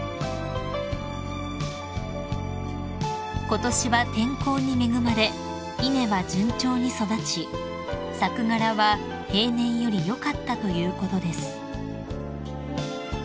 ［ことしは天候に恵まれ稲は順調に育ち作柄は平年より良かったということです］